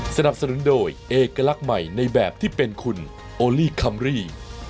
สนับสนุนโดยเอกลักษณ์ใหม่ในแบบที่เป็นคุณโอลี่คัมรี่